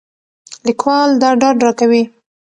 لیکوال دا ډاډ راکوي.